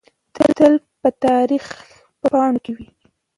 تل به د تاریخ په پاڼو کې وي.